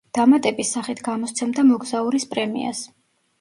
დამატების სახით გამოსცემდა „მოგზაურის პრემიას“.